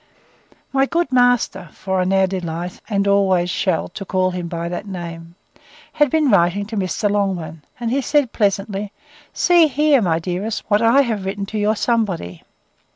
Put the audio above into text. My good master (for I delight, and always shall, to call him by that name) had been writing to Mr. Longman; and he said, pleasantly, See, here, my dearest, what I have written to your Somebody.